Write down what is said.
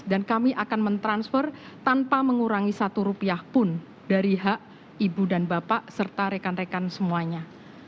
dan kami akan men transfer tanpa mengurangi rp satu pun dari hak ibu dan bapak serta rekan rekan semuanya